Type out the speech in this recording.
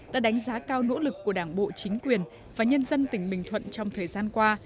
đã đánh giá cao nỗ lực của đảng bộ chính quyền và nhân dân tỉnh bình thuận trong thời gian qua